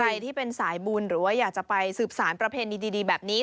ใครที่เป็นสายบุญหรือว่าอยากจะไปสืบสารประเพณีดีแบบนี้